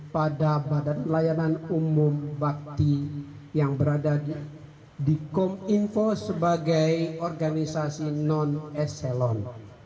pada pelayanan umum bakti yang berada di kom info sebagai organisasi non excelon